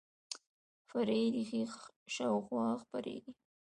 فرعي ریښې شاوخوا خپریږي